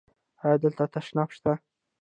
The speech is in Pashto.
ایا دلته تشناب شته؟